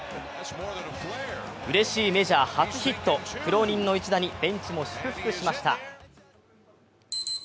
うれしいメジャー初ヒット苦労人の一打にベンチも祝福しました。